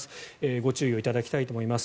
ご注意をいただきたいと思います。